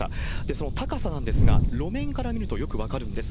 その高さなんですが、路面から見るとよく分かるんです。